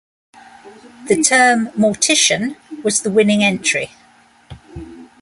The term "Mortician" was the winning entry.